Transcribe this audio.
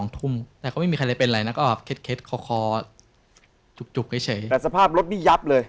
แต่สภาพรถนี่ยับเลย